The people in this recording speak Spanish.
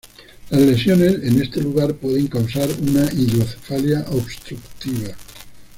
Las lesiones en este lugar pueden causar una hidrocefalia obstructiva.